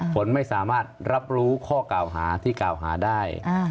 ฝนไม่สามารถรับรู้ข้อกล่าวหาที่กล่าวหาได้